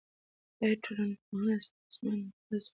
آیا ټولنپوهنه ستونزمن مضمون دی؟